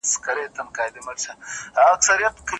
دا نظم مي وساته یو وخت به در یادیږي